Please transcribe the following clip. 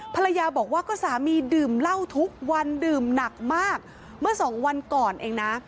ภรรยาบอกว่าก็สามีดื่มเหล้าทุกวันดื่มหนักมากเมื่อสองวันก่อนเองนะ